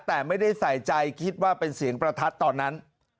แต่ไม่ได้ใส่ใจคิดว่าเป็นเสียงประทัดตอนนั้น